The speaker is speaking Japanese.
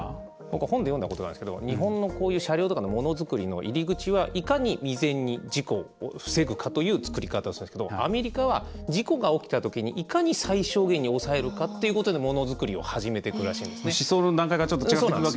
本で読んだことがあるんですけど日本の車両とかの犯罪の入り口はいかに未然に事故を防ぐかという作り方をするんですがアメリカは事故が起きたときにいかに最小限に抑えるかということでものづくりが始まるそうなんですね。